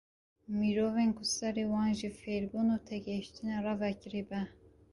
Mirovên ku serê wan ji fêrbûn û têgehîştinê re vekirî be.